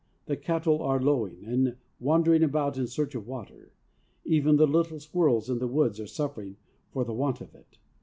The cattle are lowing and wandering about in search of water. Even the little squirrels in the woods are suffering for the want of it.